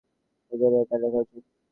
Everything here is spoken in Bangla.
এজন্যই এটা লেখা উচিত।